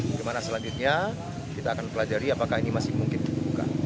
bagaimana selanjutnya kita akan pelajari apakah ini masih mungkin dibuka